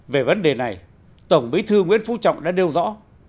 về vấn đề này tổng bí thư nguyễn phú trọng đã nêu rõ